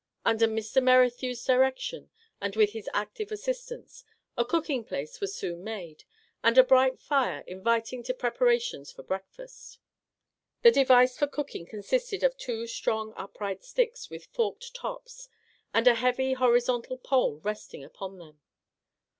Under Mr. Merrithew's direction (and with his active assistance), a cooking place was soon made, and a bright fire inviting to preparations for breakfast. The device for cooking con sisted of two strong upright sticks with forked tops, and a heavy horizontal pole resting upon them.